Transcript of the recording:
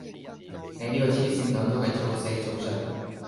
你呢個黐線佬都係早死早著